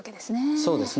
そうですね。